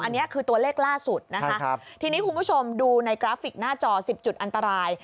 อันนี้คือตัวเลขล่าสุดนะคะทีนี้คุณผู้ชมดูในกราฟิกหน้าจอ๑๐จุดอันตราย